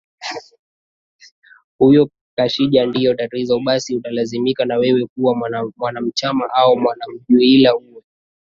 huyo kashinje ndio tatizo basi utalazimika na wewe kuwa mwanachama au mwanajumuiyaIli uwe